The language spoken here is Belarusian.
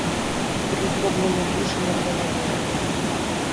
Былі зроблены душы над галавою.